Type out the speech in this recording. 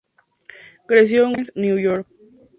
Creció en White Plains, Nueva York.